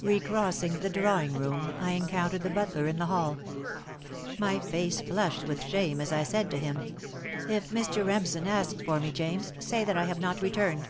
Recrossing the drawing room, I encountered the butler in the hall. My face flushed with shame as I said to him: "If Mr. Remsen asks for me, James, say that I have not returned."